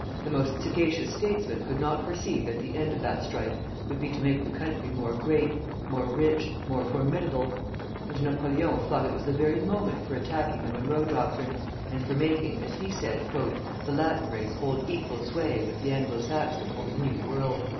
The most sagacious statesmen could not foresee that the end of that strife would be to make the country more great, more rich, more formidable; and Napoleon thought it was the very moment for attacking the Monroe doctrine, and for making, as he said, "the Latin race hold equal sway with the Anglo Saxon over the New World."